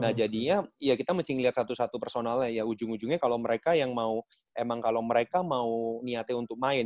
nah jadinya ya kita mesti ngeliat satu satu personalnya ya ujung ujungnya kalau mereka yang mau emang kalau mereka mau niatnya untuk main